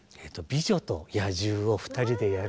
「美女と野獣」を２人でやるんですが。